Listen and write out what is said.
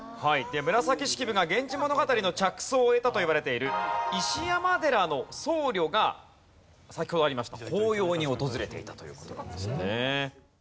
で紫式部が『源氏物語』の着想を得たといわれている石山寺の僧侶が先ほどありました法要に訪れていたという事なんですね。